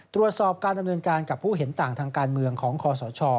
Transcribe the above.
ตรวจสอบการดำเนินการกับผู้เห็นต่างทางการเมืองของคอสช